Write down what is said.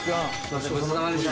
ごちそうさまでした。